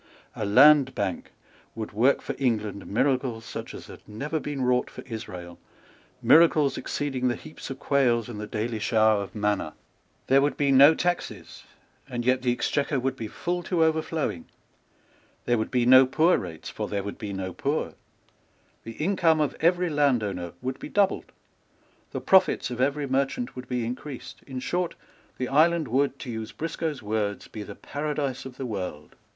A Land Bank would work for England miracles such as had never been wrought for Israel, miracles exceeding the heaps of quails and the daily shower of manna. There would be no taxes; and yet the Exchequer would be full to overflowing. There would be no poor rates; for there would be no poor. The income of every landowner would be doubled. The profits of every merchant would be increased. In short, the island would, to use Briscoe's words, be the paradise of the world.